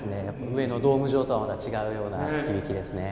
上のドーム状とはまた違うような響きですね。